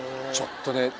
ちょっとね。